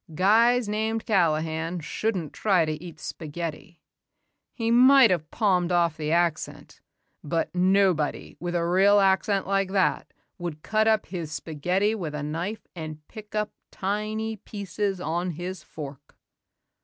"Guys named Callahan shouldn't try to eat spaghetti. He might have palmed off the accent but nobody with a real accent like that would cut up his spaghetti with a knife and pick up tiny pieces on his fork."